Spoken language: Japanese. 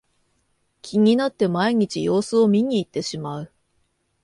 気になって毎日様子を見にいってしまう